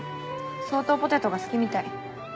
相当ポテトが好きみたい。